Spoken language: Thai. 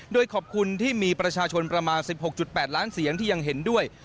โดยขอบคุณที่มีประชาชนประมาณ๑๖๘ล้านเสียงที่ยังเห็นด้วย